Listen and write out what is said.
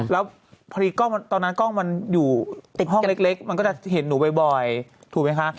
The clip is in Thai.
แล้วพอดีกล้องตอนนั้นกล้องมันอยู่ติดห้องเล็กมันก็จะเห็นหนูบ่อยถูกไหมคะ